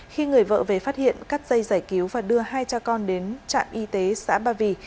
khi người vợ về phát hiện cắt dây giải cứu và đưa hai cha con đến trạm y tế xã ba vì